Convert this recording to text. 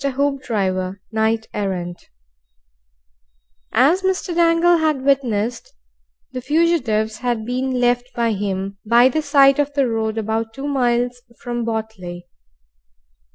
HOOPDRIVER, KNIGHT ERRANT As Mr. Dangle bad witnessed, the fugitives had been left by him by the side of the road about two miles from Botley.